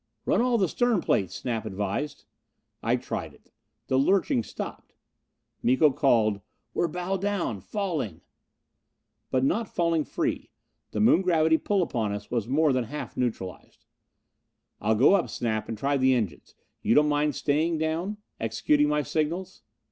"Run all the stern plates," Snap advised. I tried it. The lurching stopped. Miko called. "We're bow down. Falling!" But not falling free. The Moon gravity pull upon us was more than half neutralized. "I'll go up, Snap, and try the engines. You don't mind staying down? Executing my signals?"